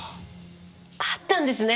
あったんですね。